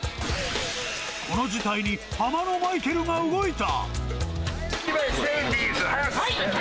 この事態に、ハマのマイケルが動いた！